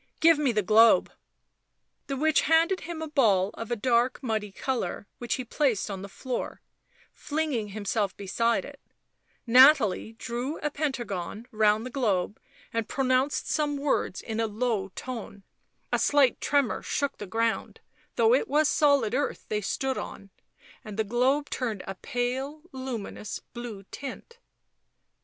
" Give me the globe." The witch handed him a ball of a dark muddy colour, which he placed on the floor, flinging himself beside it; Nathalie drew a pentagon round the globe and pro nounced some words in a low tone; a slight tremor shook the ground, though it was solid earth they stood on, and the globe turned a pale, luminous, blue tint.